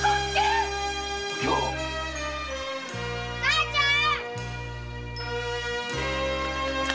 母ちゃん！